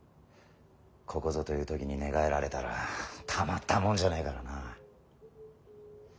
ここぞという時に寝返られたらたまったもんじゃねえからな。